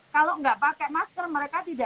kalau nggak pakai masker mereka tidak